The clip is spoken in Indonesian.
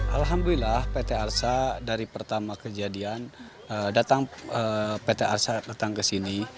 alhamdulillah pt arsa dari pertama kejadian datang pt arsa datang ke sini